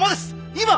今！